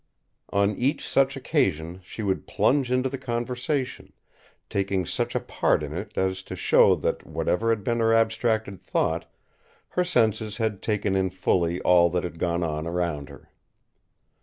On each such occasion she would plunge into the conversation, taking such a part in it as to show that, whatever had been her abstracted thought, her senses had taken in fully all that had gone on around her.